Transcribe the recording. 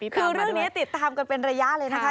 คือเรื่องนี้ติดตามกันเป็นระยะเลยนะคะ